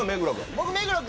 僕目黒君。